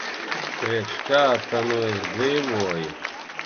Priekš kā ta nu es dzīvoju.